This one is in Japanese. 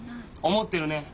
思ってるね！